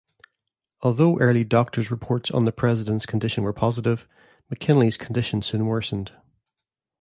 Although early doctor's reports on the President's condition were positive, McKinley's condition soon worsened.